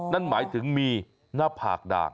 นั่นหมายถึงมีหน้าผากด่าง